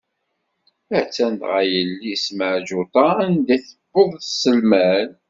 A-tt-an dɣa yelli-s Meɛǧuṭa anda i d-tewweḍ s lmal.